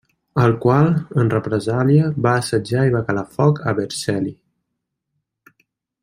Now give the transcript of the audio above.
El qual, en represàlia, va assetjar i va calar foc a Vercelli.